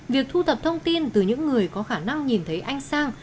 việc thu thập thông tin từ những người có khả năng nhìn thấy anh sang